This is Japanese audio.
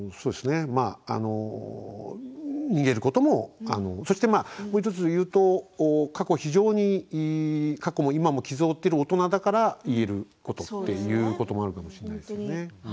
逃げることも、そしてもう１つ言うと過去も今も傷を負っている大人だから言えることということもあると思うんですよね。